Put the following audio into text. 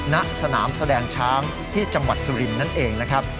ณสนามแสดงช้างที่จังหวัดสุรินทร์นั่นเองนะครับ